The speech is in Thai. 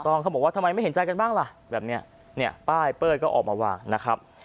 เขาบอกว่าทำไมไม่เห็นใจกันบ้างล่ะแบบนี้เนี่ยป้ายเป้ยก็ออกมาวางนะครับ